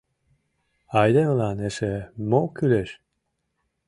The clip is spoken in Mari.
Айдемылан эше мо кӱлеш?